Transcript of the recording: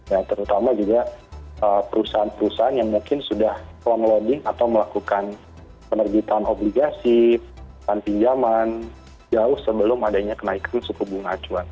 ya terutama juga perusahaan perusahaan yang mungkin sudah fron loading atau melakukan penerbitan obligasi pinjaman jauh sebelum adanya kenaikan suku bunga acuan